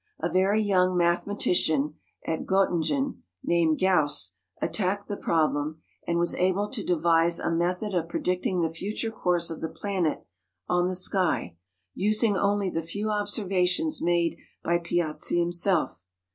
A very young mathematician at Göttingen, named Gauss, attacked the problem, and was able to devise a method of predicting the future course of the planet on the sky, using only the few observations made by Piazzi himself.